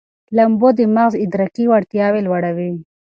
لامبو د مغز ادراکي وړتیاوې لوړوي.